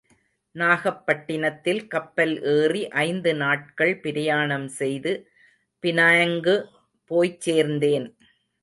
நாகப்பட்டினத்தில் கப்பல் ஏறி ஐந்து நாட்கள் பிரயாணம் செய்து பினாங்கு போய்ச்சேர்ந்தேன்.